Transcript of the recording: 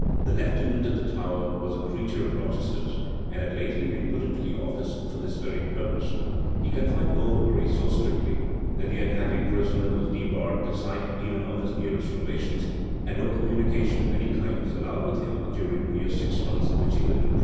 The lieutenant of the Tower was a creature of Rochester's, and had lately been put into the office for this very purpose: he confined Overbury so strictly, that the unhappy prisoner was debarred the sight even of his nearest relations, and no communication of any kind was allowed with him during near six months which he lived in prison.